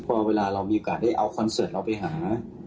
พอเวลาเรามีโอกาสได้เอาคอนเสิร์ตเราไปหา